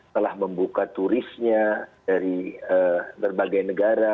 telah membuka turisnya dari berbagai negara